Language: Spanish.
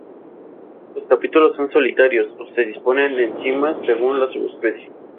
Los capítulos son solitarios o se disponen en cimas, según la subespecie.